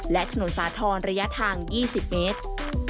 และถนนสาธรณ์ระยะทาง๒๐เมตร